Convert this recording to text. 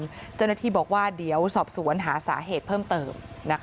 เจ้าหน้าที่บอกว่าเดี๋ยวสอบสวนหาสาเหตุเพิ่มเติม